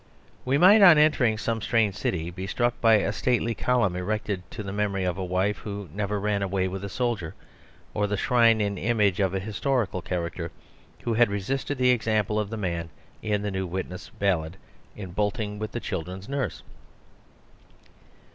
We might, on entering some strange city, be struck by a stately column erected to the memory of a wife who never ran away with a soldier, or the shrine and image of a historical character, 182 The Superstition of Divorce ■—■—■■——■■ who had resisted the example of the man in the "New Witness" Sallade in bolting with the children's nurse.